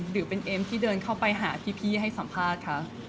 หรือเป็นเอมที่เดินเข้าไปหาพี่ให้สัมภาษณ์คะ